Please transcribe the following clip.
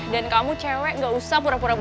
dan kamu cewek gak usah pura pura baik